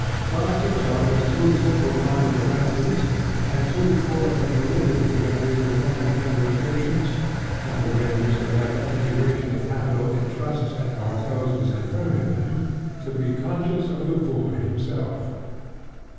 Marx himself was too simpleminded a recluse and too full of the validity of his remoter generalizations, and the way in which the rapid integration of capital in Trusts and Kartels was confirming them, to be conscious of the void himself.